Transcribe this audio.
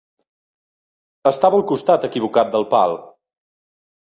Estava al costat equivocat del pal.